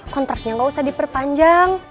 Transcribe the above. kontrak ya nggak usah diperpanjang